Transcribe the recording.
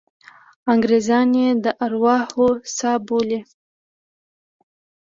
انګریزان یې د ارواحو څاه بولي.